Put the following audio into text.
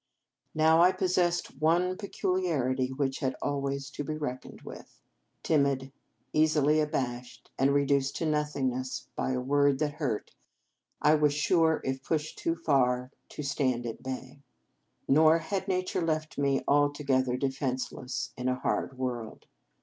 Now I possessed one peculiarity which had always to be reckoned with. Timid, easily abashed, and re 253 In Our Convent Days duced to nothingness by a word that hurt, I was sure, if pushed too far, to stand at bay. Nor had nature left me altogether defenceless in a hard world.